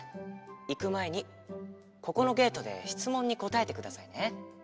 いくまえにここのゲートでしつもんにこたえてくださいね。